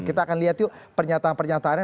kita akan lihat yuk pernyataan pernyataannya